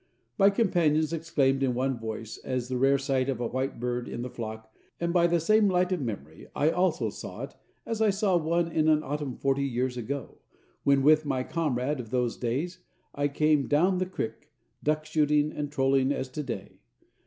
My companions exclaimed in one voice at the rare sight of a white bird in the flock, and by the same light of memory I also saw it as I saw one in an autumn forty years ago, when, with my comrade of those days, I came "daown the crik" duck shooting, or trolling as to day.